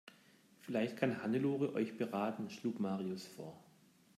Vielleicht kann Hannelore euch beraten, schlug Marius vor.